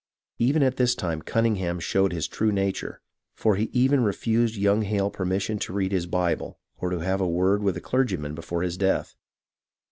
Even at this time Cunningham showed his true nature, for he even refused young Hale permission to read his Bible or have a word with a clergyman before his death.